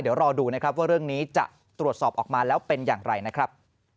เดี๋ยวรอดูนะครับว่าเรื่องนี้จะตรวจสอบออกมาแล้วเป็นอย่างไรนะครับ